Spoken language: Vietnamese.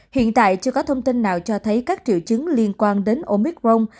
hiện tại chưa có thông tin nào cho thấy các triệu chứng liên quan đến omicron